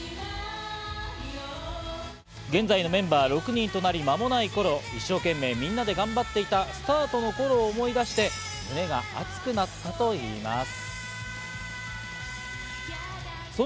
現在のメンバー、６人となり間もない頃、一生懸命、みんなで頑張っていたスタートの頃を思い出して、胸が熱くなったといいます。